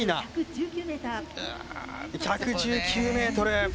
１１９ｍ。